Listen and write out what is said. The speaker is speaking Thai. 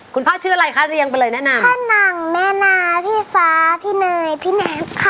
พ่อชื่ออะไรคะเรียงไปเลยแนะนำพ่อนางแม่นาพี่ฟ้าพี่เนยพี่แนบค่ะ